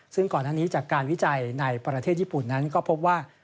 ซึ่งก่อนหน้านี้จากการวิจัยในประเทศญี่ปุ่นนั้นก็พบว่า